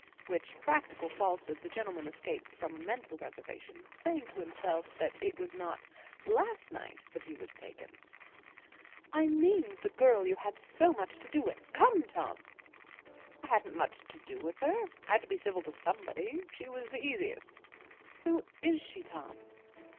Which practical falsehood the gentleman escaped from by a mental reservation, saying to himself that it was not last night that he was "taken." "I mean the girl you had so much to do with. Come, Tom!" "I hadn't much to do with her. I had to be civil to somebody. She was the easiest." "Who is she, Tom?"